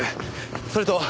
それと。